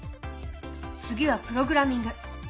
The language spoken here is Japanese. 次はプログラミング。